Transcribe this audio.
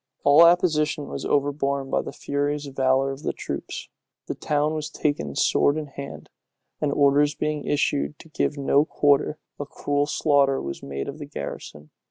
All opposition was overborne by the furious valor of the troops. The town was taken sword in hand; and orders being issued to give no quarter, a cruel slaughter was made of the garrison.